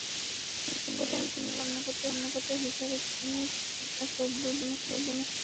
প্রথম শ্রেণির একজন কর্মকর্তা হিসেবেও তিনি এটা তাঁর কর্তব্য বলে মনে করেন।